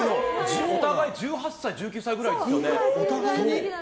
お互い１８歳、１９歳ぐらいですよね。